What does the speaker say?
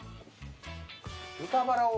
豚バラを。